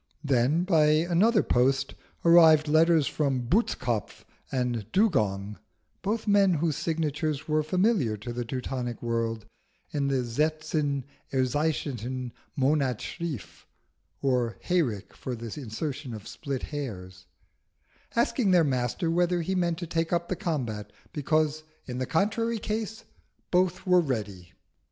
Then, by another post, arrived letters from Butzkopf and Dugong, both men whose signatures were familiar to the Teutonic world in the Selten erscheinende Monat schrift or Hayrick for the insertion of Split Hairs, asking their Master whether he meant to take up the combat, because, in the contrary case, both were ready.